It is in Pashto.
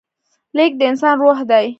لیک د انسان روح دی.